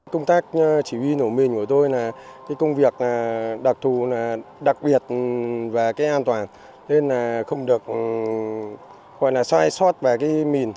công tác chỉ huy nổ mìn của tôi là công việc đặc thù đặc biệt và an toàn nên không được sai sót về mìn